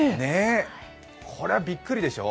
これはびっくりでしょ？